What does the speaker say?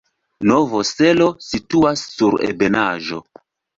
Novo Selo situas sur ebenaĵo.